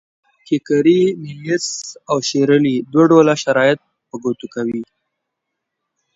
کیکیري، نیلیس او شیرلي دوه ډوله شرایط په ګوته کوي.